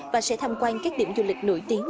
và sẽ tham quan các điểm du lịch nổi tiếng